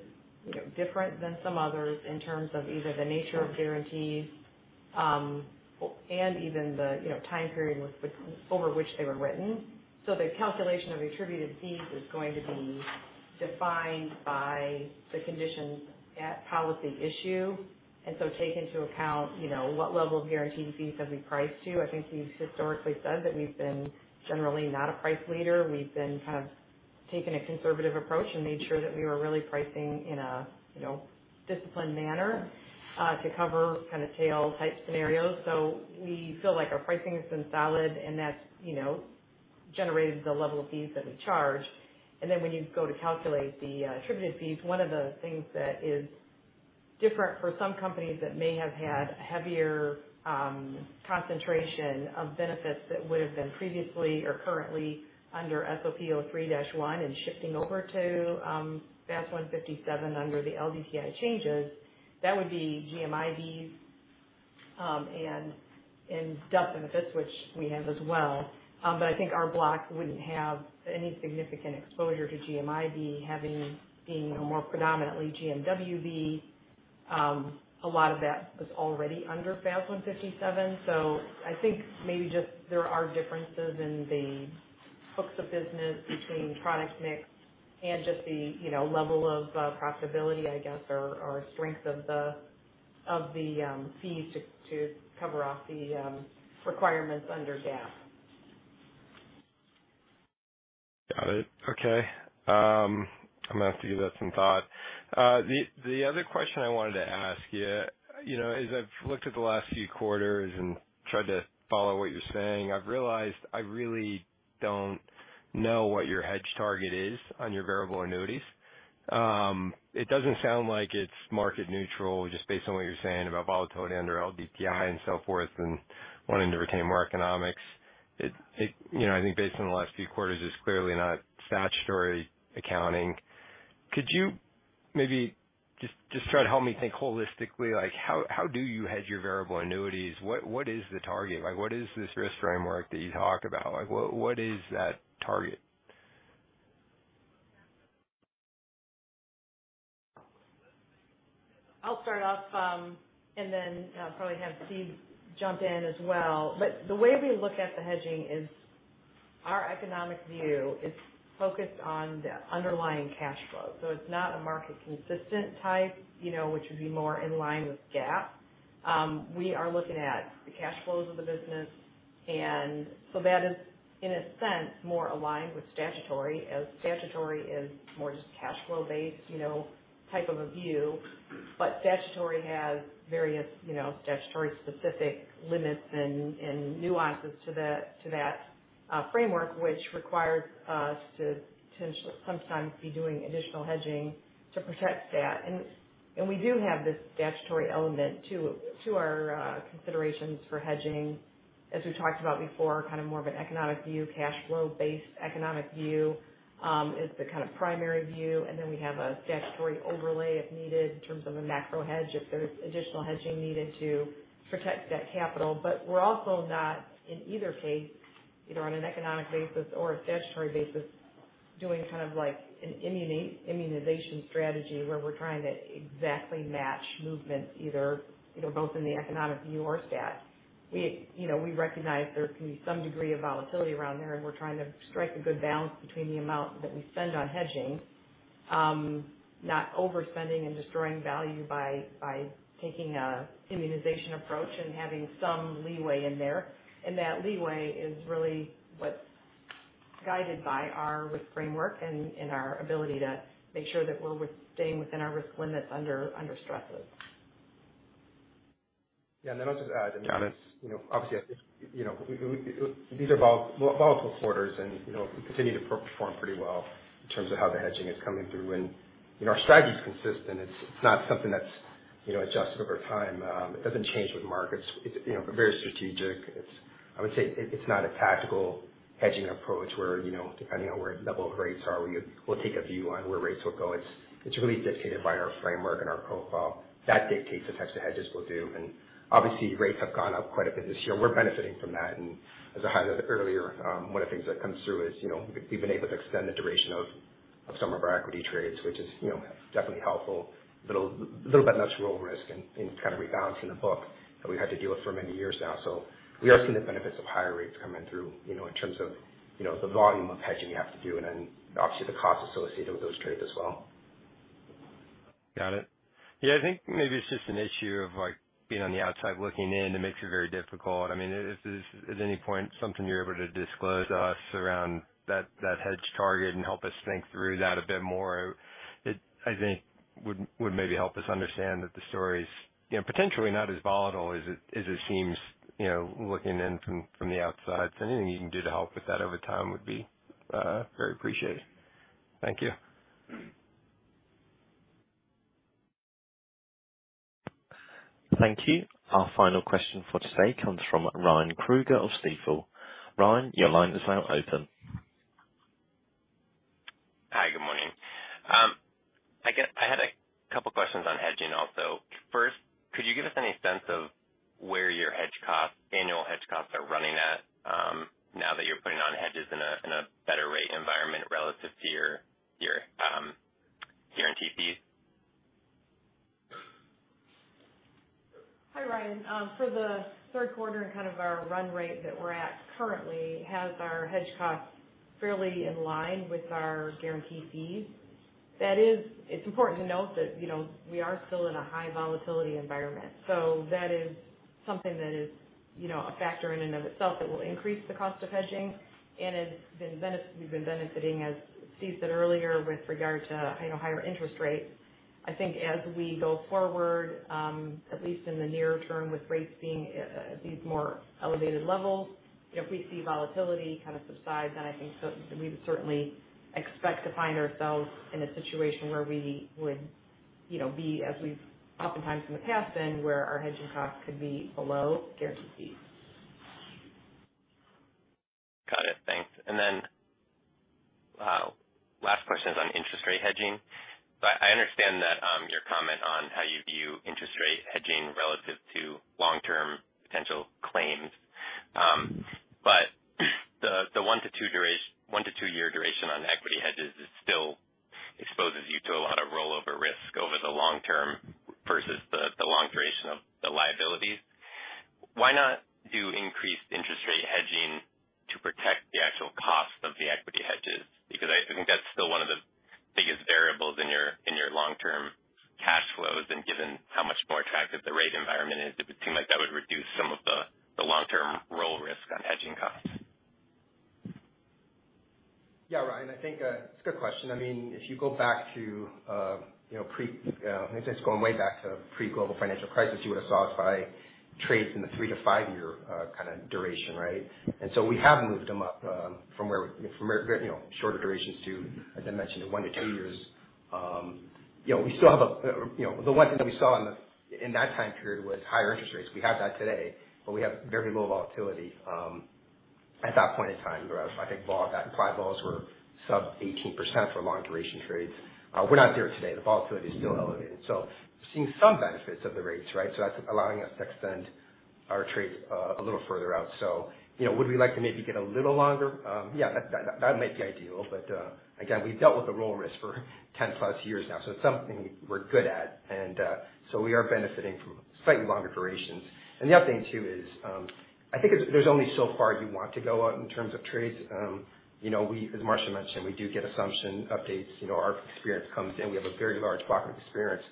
you know, different than some others in terms of either the nature of guarantees, and even the, you know, time period over which they were written. The calculation of attributed fees is going to be defined by the conditions at policy issue, and so take into account, you know, what level of guarantee fees have we priced to. I think we've historically said that we've been generally not a price leader. We've been kind of taking a conservative approach and made sure that we were really pricing in a, you know, disciplined manner, to cover kind of tail type scenarios. We feel like our pricing has been solid, and that's, you know, generated the level of fees that we charge. When you go to calculate the attributed fees, one of the things that is different for some companies that may have had heavier concentration of benefits that would have been previously or currently under SOP 03-1 and shifting over to FAS 157 under the LDTI changes, that would be GMIBs and death benefits, which we have as well. I think our block wouldn't have any significant exposure to GMIBs, being a more predominantly GMWB. A lot of that is already under FAS 157. I think maybe just there are differences in the books of business between product mix and just the, you know, level of profitability, I guess, or strength of the fees to cover off the requirements under GAAP. Got it. Okay. I'm gonna have to give that some thought. The other question I wanted to ask you know, is I've looked at the last few quarters and tried to follow what you're saying. I've realized I really don't know what your hedge target is on your variable annuities. It doesn't sound like it's market neutral, just based on what you're saying about volatility under LDTI and so forth and wanting to retain more economics. It you know, I think based on the last few quarters, it's clearly not statutory accounting. Could you maybe just try to help me think holistically, like how do you hedge your variable annuities? What is the target? Like what is this risk framework that you talk about? Like what is that target? I'll start off, and then probably have Steve jump in as well. The way we look at the hedging is our economic view is focused on the underlying cash flow. It's not a market consistent type, you know, which would be more in line with GAAP. We are looking at the cash flows of the business, and that is, in a sense, more aligned with statutory, as statutory is more just cash flow-based, you know, type of a view. Statutory has various, you know, statutory specific limits and nuances to that framework, which requires us to sometimes be doing additional hedging to protect that. We do have this statutory element to our considerations for hedging. As we talked about before, kind of more of an economic view, cash flow-based economic view, is the kind of primary view. Then we have a statutory overlay if needed in terms of a macro hedge, if there's additional hedging needed to protect that capital. We're also not, in either case, you know, on an economic basis or a statutory basis, doing kind of like an immunization strategy where we're trying to exactly match movements either, you know, both in the economic view or stat. We, you know, we recognize there can be some degree of volatility around there, and we're trying to strike a good balance between the amount that we spend on hedging, not overspending and destroying value by taking a immunization approach and having some leeway in there. That leeway is really what's guided by our risk framework and our ability to make sure that we're staying within our risk limits under stresses. Yeah. Also to add, I mean. Got it. You know, obviously, you know, these are volatile quarters and, you know, we continue to perform pretty well in terms of how the hedging is coming through. You know, our strategy's consistent. It's not something that's, you know, adjusted over time. It doesn't change with markets. It's, you know, very strategic. I would say it's not a tactical hedging approach where, you know, depending on where level of rates are, we'll take a view on where rates will go. It's really dictated by our framework and our profile. That dictates the types of hedges we'll do. Obviously, rates have gone up quite a bit this year. We're benefiting from that. As I highlighted earlier, one of the things that comes through is, you know, we've been able to extend the duration of some of our equity trades, which is, you know, definitely helpful. Little bit natural risk in kind of rebalancing the book that we had to deal with for many years now. We are seeing the benefits of higher rates coming through, you know, in terms of, you know, the volume of hedging you have to do and then obviously the cost associated with those trades as well. Got it. Yeah, I think maybe it's just an issue of, like, being on the outside looking in, it makes it very difficult. I mean, is this at any point something you're able to disclose to us around that hedge target and help us think through that a bit more? It, I think, would maybe help us understand that the story's, you know, potentially not as volatile as it seems, you know, looking in from the outside. Anything you can do to help with that over time would be very appreciated. Thank you. Thank you. Our final question for today comes from Ryan Krueger of Stifel. Ryan, your line is now open. Hi. Good morning. I guess I had a couple questions on hedging also. First, could you give us any sense of where your hedge costs, annual hedge costs are running at, now that you're putting on hedges in a better rate environment relative to your guarantee fees? Hi, Ryan. For the Q3 and kind of our run rate that we're at currently has our hedge costs fairly in line with our guarantee fees. It's important to note that, you know, we are still in a high volatility environment. That is something that is, you know, a factor in and of itself that will increase the cost of hedging. We've been benefiting, as Steve said earlier, with regard to, you know, higher interest rates. I think as we go forward, at least in the near term with rates being at these more elevated levels, if we see volatility kind of subside, then I think we would certainly expect to find ourselves in a situation where we would, you know, be as we've oftentimes in the past been, where our hedging costs could be below guaranteed fees. I understand that your comment on how you view interest rate hedging relative to long term potential claims. But the 1-2 year duration on equity hedges still exposes you to a lot of rollover risk over the long term versus the long duration of the liabilities. Why not do increased interest rate hedging to protect the actual cost of the equity hedges? Because I think that's still one of the biggest variables in your long term cash flows. Given how much more attractive the rate environment is, it would seem like that would reduce some of the long term rollover risk on hedging costs. Yeah, Ryan, I think it's a good question. I mean, if you go back to, you know, pre-I guess going way back to pre-global financial crisis, you would have saw us buy trades in the 3-5 year kind of duration, right? We have moved them up, from where, you know, from very, you know, shorter durations to, as I mentioned, 1-2 years. You know, we still have a, you know, the one thing that we saw in that time period was higher interest rates. We have that today, but we have very low volatility at that point in time, where I think that implied vols were sub 18% for long duration trades. We're not there today. The volatility is still elevated. Seeing some benefits of the rates, right? That's allowing us to extend our trades a little further out. You know, would we like to maybe get a little longer? Yeah, that might be ideal. We've dealt with the roll risk for 10+ years now, so it's something we're good at. We are benefiting from slightly longer durations. The other thing too is, I think there's only so far you want to go out in terms of trades. You know, we, as Marcia mentioned, we do get assumption updates. You know, our experience comes in. We have a very large block of experience.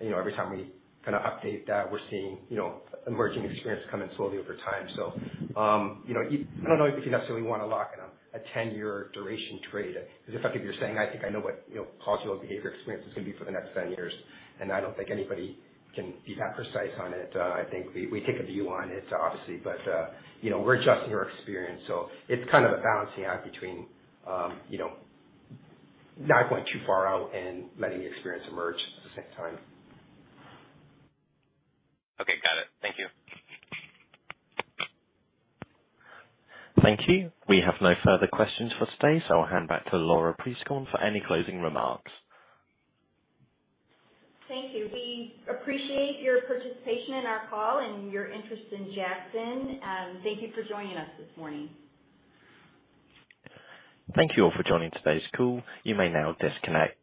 You know, every time we kind of update that, we're seeing, you know, emerging experience come in slowly over time.I don't know if you necessarily want to lock in a 10-year duration trade. It's effectively you're saying I think I know what actual behavior experience is going to be for the next 10 years, and I don't think anybody can be that precise on it. I think we take a view on it, obviously. But we're adjusting our experience. It's kind of a balancing act between not going too far out and letting the experience emerge at the same time. Okay. Got it. Thank you. Thank you. We have no further questions for today, so I'll hand back to Laura Prieskorn for any closing remarks. Thank you. We appreciate your participation in our call and your interest in Jackson. Thank you for joining us this morning. Thank you all for joining today's call. You may now disconnect.